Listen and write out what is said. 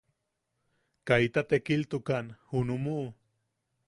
Kaita tekiltukan junumuʼu.